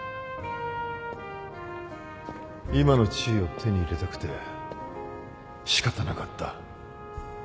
今の地位を手に入れたくて仕方なかった。